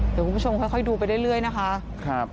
เดี๋ยวคุณผู้ชมค่อยดูไปเรื่อยนะคะ